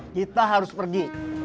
kita harus pergi